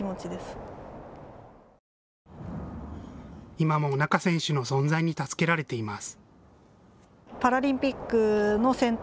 今も仲選手の存在に助けられています。